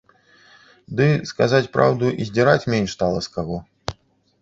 Ды, сказаць праўду, і здзіраць менш стала з каго.